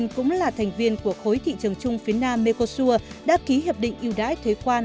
cũng là thành viên của khối thị trường chung phía nam mekosur đã ký hiệp định yêu đãi thuế quan